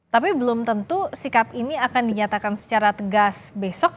tapi belum tentu sikap ini akan dinyatakan secara tegas besok